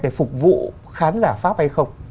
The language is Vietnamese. để phục vụ khán giả pháp hay không